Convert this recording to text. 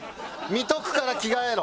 見とくから着替えろ！